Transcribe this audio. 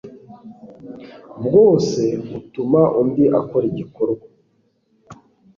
bwose utuma undi akora igikorwa